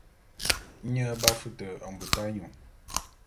Nye b'afute mbut anyu.